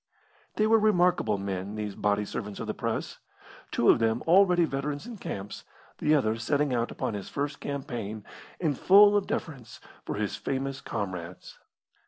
They were remarkable men these body servants of the Press; two of them already veterans in camps, the other setting out upon his first campaign, and full of deference for his famous comrades.